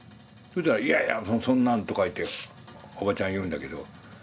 そしたら「いやいやそんなん」とかいっておばちゃん言うんだけど。